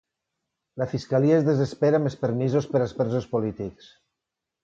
La fiscalia es desespera amb els permisos per als presos polítics.